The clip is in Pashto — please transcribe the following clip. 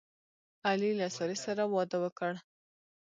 علي له سارې سره واده وکړ.